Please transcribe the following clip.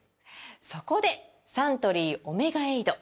そこでサントリー「オメガエイド」！